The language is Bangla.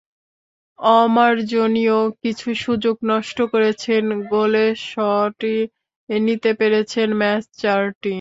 অমার্জনীয় কিছু সুযোগ নষ্ট করেছেন, গোলে শটই নিতে পেরেছেন মাত্র চারটি।